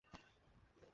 মূর্তি পূজা করতাম।